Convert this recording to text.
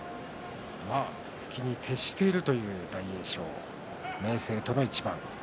突きに徹している大栄翔明生との一番です。